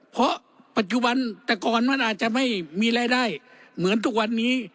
เพราะปัจจุบันแต่ก่อนมันอาจจะไม่มีรายได้เหมือนทุกวันนี้